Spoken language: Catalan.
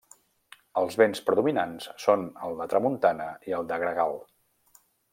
Els vents predominants són el de tramuntana i el de gregal.